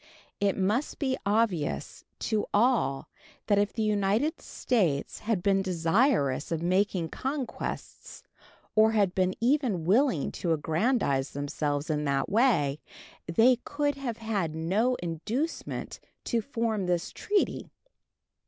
It must be obvious to all that if the United States had been desirous of making conquests, or had been even willing to aggrandize themselves in that way, they could have had no inducement to form this treaty.